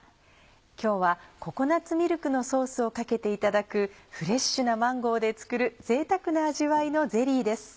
今日はココナッツミルクのソースをかけていただくフレッシュなマンゴーで作る贅沢な味わいのゼリーです。